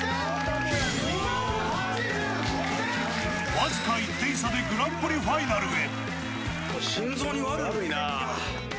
わずか１点差でグランプリファイナルへ。